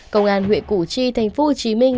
công an huyện cụ chi thành phố hồ chí minh